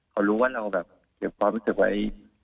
เขารู้ว่าเราแบบเก็บความรู้สึกไว้